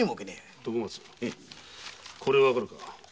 徳松これがわかるか？